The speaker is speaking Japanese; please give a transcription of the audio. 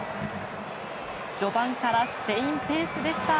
序盤からスペインペースでした。